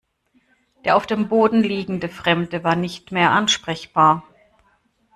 Der auf dem Boden liegende Fremde war nicht mehr ansprechbar.